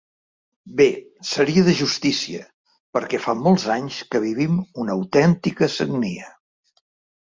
Bé, seria de justícia perquè fa molts anys que vivim una autèntica sagnia.